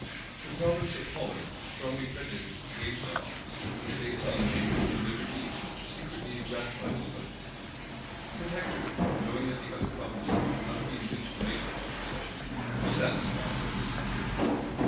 The province of Holland, strongly prejudiced against that office, which they esteemed dangerous to liberty, secretly ratified this article. The protector, knowing that the other provinces would not be induced to make such a concession, was satisfied with this security.